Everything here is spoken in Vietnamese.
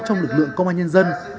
trong lực lượng công an nhân dân